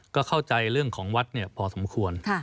ก็เข้าใจเรื่องของวัดพอสมควร